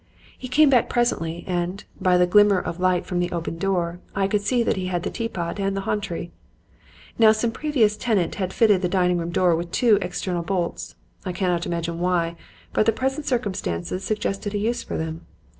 He came back presently, and, by the glimmer of light from the open door, I could see that he had the teapot and the 'hontry.' Now some previous tenant had fitted the dining room door with two external bolts; I cannot imagine why; but the present circumstances suggested a use for them.